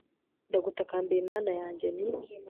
ndagutakambiye mana yanjye, ni